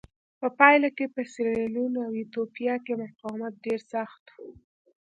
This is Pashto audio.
په پایله کې په سیریلیون او ایتوپیا کې مقاومت ډېر سخت و.